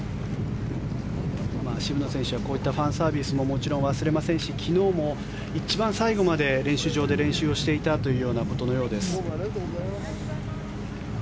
渋野選手はこういったファンサービスももちろん忘れませんし昨日も一番最後まで練習場で練習をしていたということのようです。